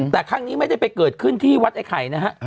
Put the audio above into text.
แต่ครั้งนี้ไม่ได้ไปเกิดขึ้นที่วัดไอ้ไข่นะฮะ